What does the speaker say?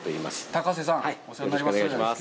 高瀬さん、お世話になります。